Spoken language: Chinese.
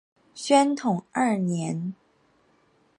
宣统二年。